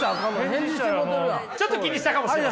ちょっと気にしたかもしれない。